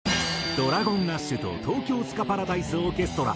ＤｒａｇｏｎＡｓｈと東京スカパラダイスオーケストラ